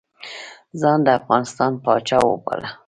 ځان د افغانستان پاچا وباله.